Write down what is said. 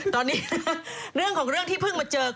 ตอนนี้เรื่องของเรื่องที่เพิ่งมาเจอ